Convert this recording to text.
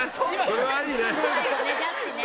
それがいいね。